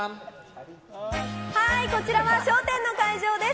こちらは笑点の会場です。